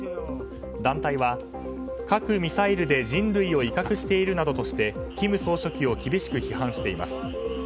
団体は核・ミサイルで人類を威嚇しているなどとして金総書記を厳しく批判しています。